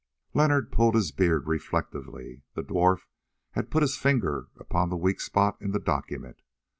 Leonard pulled his beard reflectively. The dwarf had put his finger upon the weak spot in the document.